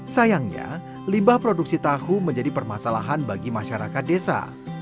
sayangnya limbah produksi tahu menjadi permasalahan bagi masyarakat desa